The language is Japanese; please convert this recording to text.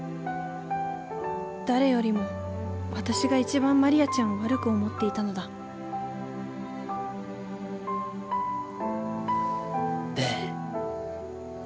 誰よりも私が一番マリアちゃんを悪く思っていたのだベエッ。